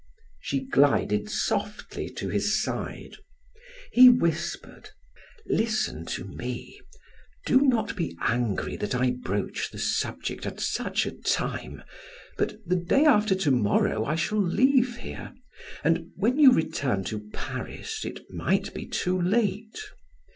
She glided softly to his side. He whispered: "Listen to me. Do not be angry that I broach the subject at such a time, but the day after to morrow I shall leave here and when you return to Paris it might be too late.